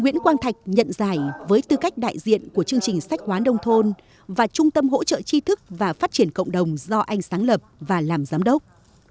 nguyễn quang thạch nhận giải với tư cách đại diện của chương trình sách hóa nông thôn và trung tâm hỗ trợ chi thức và phát triển cộng đồng do anh sáng lập và làm giám đốc